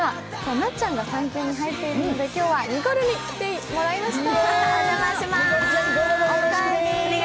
なっちゃんが産休に入っているので今日はニコルに来てもらいました。